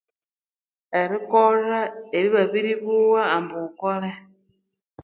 Erikolha ebibabiribugha ambu ghukole